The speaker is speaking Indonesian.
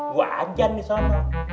gue ajan di sana